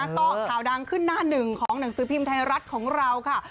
ก็ข่าวดังขึ้นหน้าหนึ่งของหนังสือพิมพ์ไทยรัฐของเราค่ะ